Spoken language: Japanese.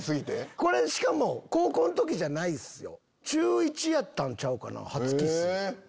これしかも高校の時じゃないっすよ。